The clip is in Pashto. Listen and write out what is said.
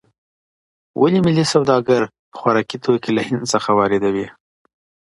ولې ملي سوداګر خوراکي توکي له هند څخه واردوي؟